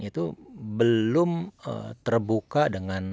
itu belum terbuka dengan